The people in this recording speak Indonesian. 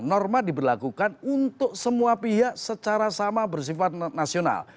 norma diberlakukan untuk semua pihak secara sama bersifat nasional